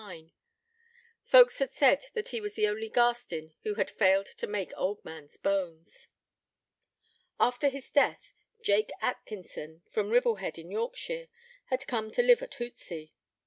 Folks had said that he was the only Garstin who had failed to make old man's bones. After his death, Jake Atkinson, from Ribblehead in Yorkshire, had come to live at Hootsey.